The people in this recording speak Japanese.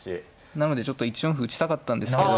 なのでちょっと１四歩打ちたかったんですけど。